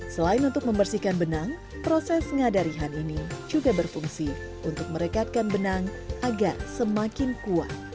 selain untuk membersihkan benang proses ngadarihan ini juga berfungsi untuk merekatkan benang agar semakin kuat